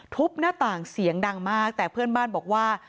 หน้าต่างเสียงดังมากแต่เพื่อนบ้านบอกว่า